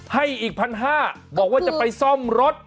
ให้อีก๑๕๐๐บาทบอกว่าจะไปซ่อมรถ